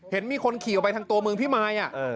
เห็นมีคนขี่ออกไปทางตัวเมืองพี่มาย